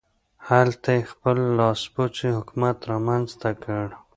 هلته یې خپل لاسپوڅی حکومت رامنځته کړ.